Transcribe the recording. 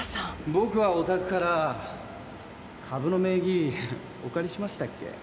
僕はお宅から株の名義お借りしましたっけ？